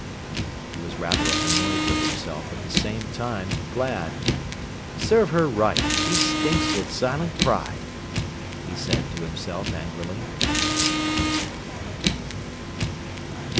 He was rather annoyed with himself, at the same time glad. "Serve her right; she stinks with silent pride," he said to himself angrily.